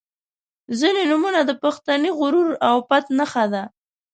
• ځینې نومونه د پښتني غرور او پت نښه ده.